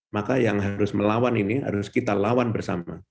maka yang harus melawan ini harus kita lawan bersama